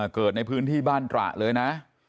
เกิดในพื้นที่บ้านตระเลยนะ